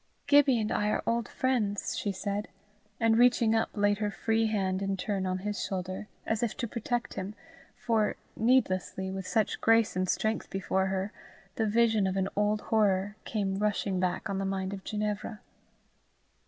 "Gibbie and I are old friends," she said, and reaching up laid her free hand in turn on his shoulder, as if to protect him for, needlessly, with such grace and strength before her, the vision of an old horror came rushing back on the mind of Ginevra.